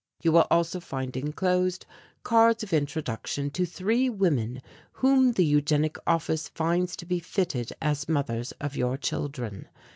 You will also find enclosed cards of introduction to three women whom the Eugenic Office finds to be fitted as mothers of your children.